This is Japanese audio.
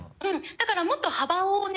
だからもっと幅をね